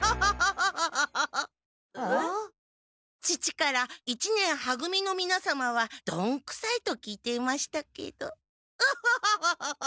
父から一年は組のみなさまはどんくさいと聞いていましたけどオホホホホホッ！